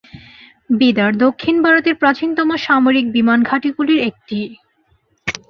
বিদার দক্ষিণ ভারতের প্রাচীনতম সামরিক বিমান ঘাঁটি গুলির একটি।